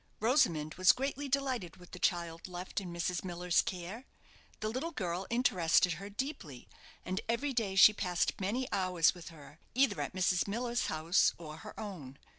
Rosamond was greatly delighted with the child left in Mrs. Miller's care. The little girl interested her deeply, and every day she passed many hours with her, either at Mrs. Miller's house or her own.